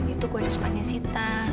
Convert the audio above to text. itu kue yang semuanya sita